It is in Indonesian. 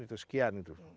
itu sekian gitu